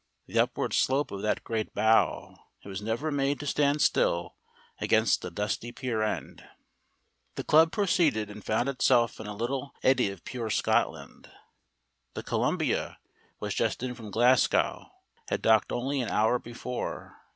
The upward slope of that great bow, it was never made to stand still against a dusty pier end. The club proceeded and found itself in a little eddy of pure Scotland. The Columbia was just in from Glasgow had docked only an hour before.